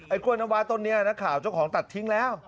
ไอ้กล้วยน้ำว้าต้นนี้นะครับเจ้าของตัดทิ้งแล้ว